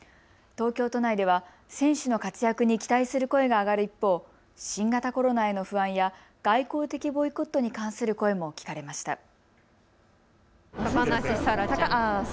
東京都内では選手の活躍に期待する声が上がる一方、新型コロナへの不安や外交的ボイコットに関する声も聞かれました。